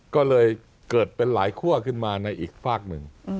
ก็เลยเกิดเป็นหลายคั่วขึ้นมาในอีกฝากหนึ่ง